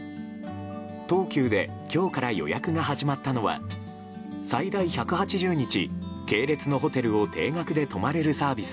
東急で今日から予約が始まったのは最大１８０日、系列のホテルを定額で泊まれるサービス